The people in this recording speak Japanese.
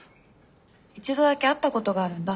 一度だけ会ったことがあるんだ